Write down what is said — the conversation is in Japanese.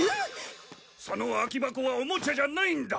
その空き箱はおもちゃじゃないんだ！